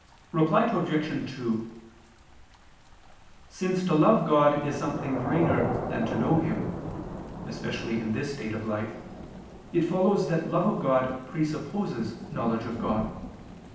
Reply Obj. 2: Since to love God is something greater than to know Him, especially in this state of life, it follows that love of God presupposes knowledge of God.